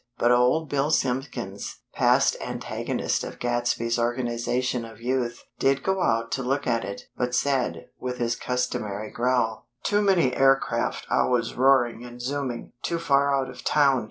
But Old Bill Simpkins, past antagonist of Gadsby's Organization of Youth, did go out to look at it; but said, with his customary growl: "Too many aircraft always roaring and zooming. Too far out of town.